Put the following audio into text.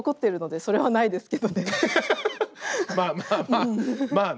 まあまあまあまあね。